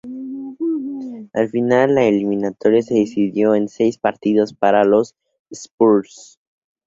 Al final, la eliminatoria se decidió en seis partidos para los Spurs.